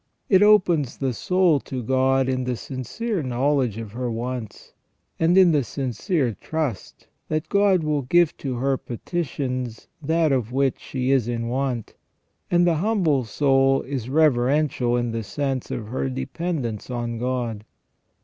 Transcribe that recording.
It opens the soul to God in the sincere knowledge of her wants, and in the sincere trust that God will give to her petitions that of which she is in want, and the humble soul is reverential in the sense of her dependence on God.